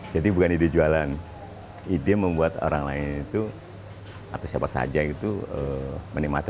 jadi bukan ide jualan ide membuat orang lain itu atau siapa saja itu menikmati